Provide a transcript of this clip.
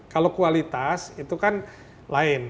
kalau kualitas itu kan lain